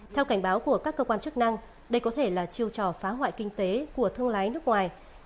theo cảnh báo của các cơ quan chức năng đây có thể là chiêu trò phá hoại kinh tế của thương lái nước ngoài